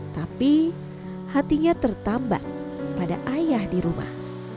tapi hatinya tertambak pada ayah di rumah